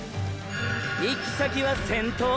⁉行き先は“先頭”！！